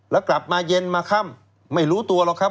แล้วกลับมาเย็นมาค่ำไม่รู้ตัวหรอกครับ